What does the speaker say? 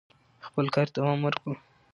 خپل کار ته دوام ورکړو.